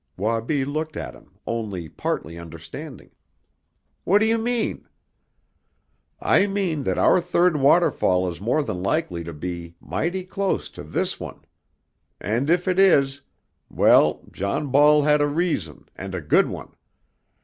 Wabi looked at him, only partly understanding. "What do you mean?" "I mean that our third waterfall is more than likely to be mighty close to this one! And if it is well, John Ball had a reason, and a good one!